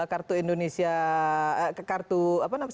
kartu indonesia kartu apa namanya